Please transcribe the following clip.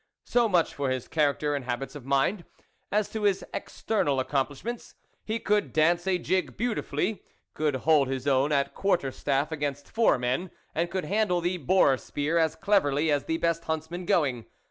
So much for his character and habits of mind. As to his external accom plishments, he could dance a jig beauti fully, could hold his own at quarter staff against four men, and could handle the boar spear as cleverly as the best hunts man going.